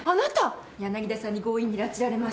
柳田さんに強引に拉致られました。